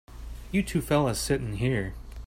You two fellas sit in here.